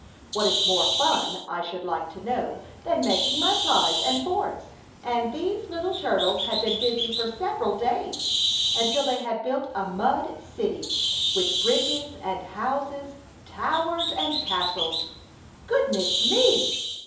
What is more fun I should like to know than making mud pies and forts, and these little turtles had been busy for several days until they had built a mud city, with bridges and houses, towers and castles. Goodness me!